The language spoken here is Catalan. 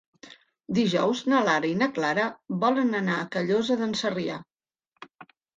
Dijous na Lara i na Clara volen anar a Callosa d'en Sarrià.